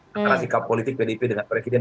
karena sikap politik pdp dengan presiden